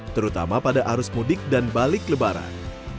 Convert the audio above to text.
terutama pada arus mudik dan balik lebaran